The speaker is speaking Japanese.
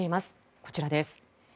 こちらです。